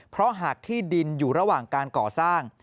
เพราะหากที่ดินอยู่ระหว่างการก่อสร้าง